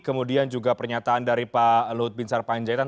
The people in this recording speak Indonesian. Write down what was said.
kemudian juga pernyataan dari pak luhut binsar panjaitan